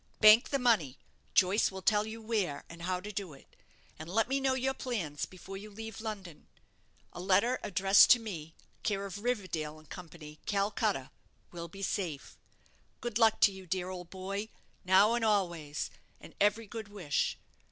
Bank the money; Joyce will tell you where, and how to do it; and let me know your plans before you leave London. A letter addressed to me, care of Riverdale and Co., Calcutta, will be safe. Good luck to you, dear old boy, now and always, and every good wish.